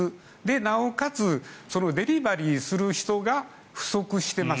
なおかつデリバリーする人が不足してます。